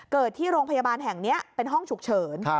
ที่โรงพยาบาลแห่งนี้เป็นห้องฉุกเฉิน